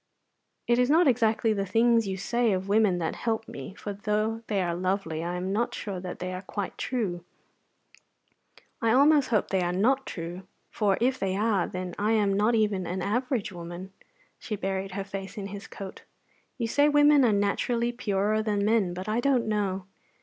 "It is not exactly the things you say of women that help me, for though they are lovely I am not sure that they are quite true. I almost hope they are not true; for if they are, then I am not even an average woman." She buried her face in his coat. "You say women are naturally purer than men, but I don't know.